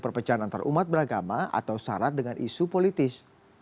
perpecahan antarumat beragama atau syarat dengan isu politis